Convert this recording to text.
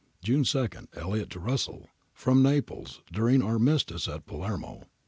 June 2. Elliot to Russell. From Naples [during armistice at Palermo].